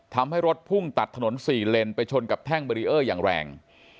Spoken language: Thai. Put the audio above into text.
ทำให้รถพุ่งตัดถนน๔เลนไปชนกับแท่งเบรีเออร์อย่างแรง